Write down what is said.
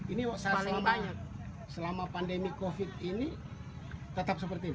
ini selama pandemi covid ini tetap seperti ini